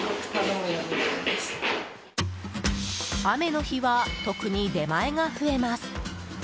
雨の日は特に出前が増えます。